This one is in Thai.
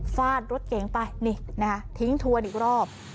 ฟาดรถเก๋งไปนี่นะคะทิ้งทวนอีกรอบ